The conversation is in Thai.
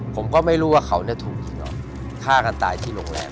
ผมก็ไม่ยุ่งว่าเขานี่ถูกจริงหรอกข้าการตายที่โรงแรม